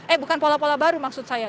eh bukan pola pola baru maksud saya